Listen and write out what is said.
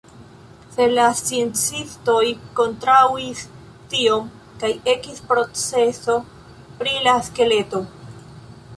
Sed la sciencistoj kontraŭis tion kaj ekis proceso pri la skeleto.